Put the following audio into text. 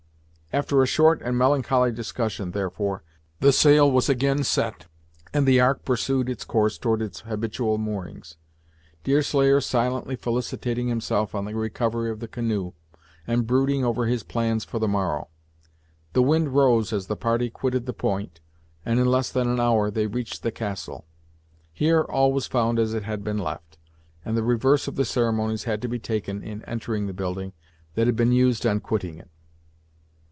After a short and melancholy discussion, therefore, the sail was again set, and the Ark pursued its course towards its habitual moorings, Deerslayer silently felicitating himself on the recovery of the canoe, and brooding over his plans for the morrow. The wind rose as the party quitted the point, and in less than an hour they reached the castle. Here all was found as it had been left, and the reverse of the ceremonies had to be taken in entering the building, that had been used on quitting it.